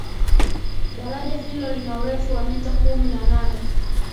daraja hilo lina urefu wa mita kumi na nane